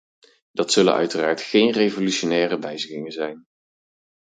Dat zullen uiteraard geen revolutionaire wijzigingen zijn.